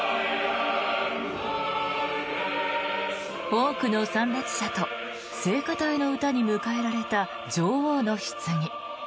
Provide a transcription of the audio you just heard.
多くの参列者と聖歌隊の歌に迎えられた女王のひつぎ。